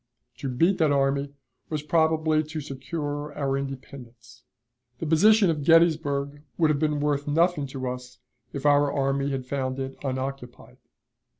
To beat that army was probably to secure our independence. The position of Gettysburg would have been worth nothing to us if our army had found it unoccupied.